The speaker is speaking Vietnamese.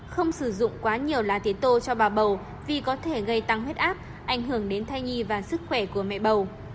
không sử dụng quá nhiều lá tế tô cho bà bầu vì có thể gây tăng huyết áp